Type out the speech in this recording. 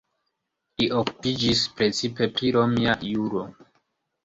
Li okupiĝis precipe pri romia juro.